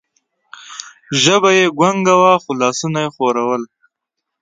ژبه یې ګونګه وه، خو لاسونه یې ښورول.